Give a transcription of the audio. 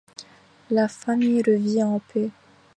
La famille revit en paix.